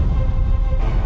aku akan menang